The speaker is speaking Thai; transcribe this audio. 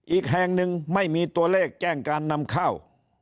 อีกแห่งหนึ่งไม่มีตัวเลขแจ้งการนำเข้า